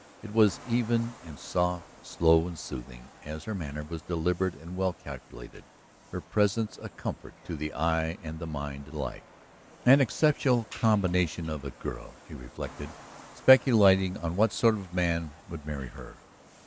It was even and soft, slow and soothing, as her manner was deliberate and well calculated, her presence a comfort to the eye and the mind alike. An exceptional combination of a girl, he reflected, speculating on what sort of man would marry her.